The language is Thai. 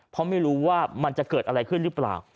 เพราะไม่รู้ว่ามันจะเกิดอะไรขึ้นหรือเปล่า